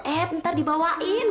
eh ntar dibawain